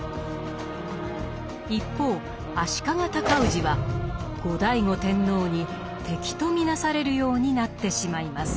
一方足利尊氏は後醍醐天皇に敵と見なされるようになってしまいます。